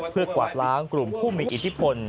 เพื่อกวาดล้างกลุ่มผู้มีอิทธิพล